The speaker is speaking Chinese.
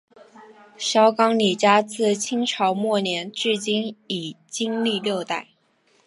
小港李家自清朝末年至今已经历六代。